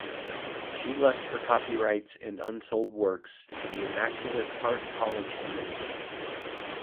She left her copyrights and unsold works to the Immaculate Heart College Community.